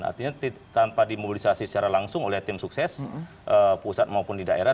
artinya tanpa dimobilisasi secara langsung oleh tim sukses pusat maupun di daerah